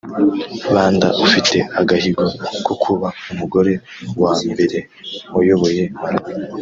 Banda ufite agahigo ko kuba umugore wa mbere wayoboye Malawi